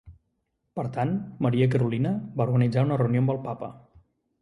Per tant, Maria Carolina va organitzar una reunió amb el Papa.